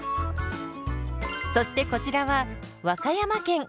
そしてこちらは和歌山県。